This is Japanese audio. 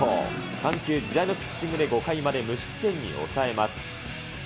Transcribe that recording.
緩急自在のピッチングで、５回まで無失点に抑えます。